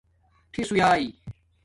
ٹھس ہویؔآ